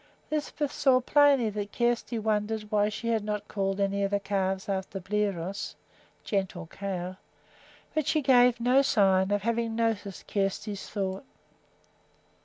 Lisbeth saw plainly that Kjersti wondered why she had not called any of the calves after Bliros (Gentle Cow), but she gave no sign of having noticed Kjersti's thought.